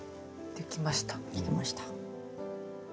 できました。